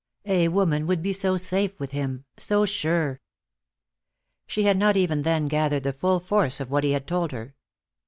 A woman would be so safe with him, so sure. She had not even then gathered the full force of what he had told her.